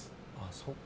そっか？